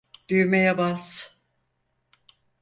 Düğmeye bas!